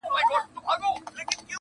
چي یې وکتل قصاب نه وو بلا وه!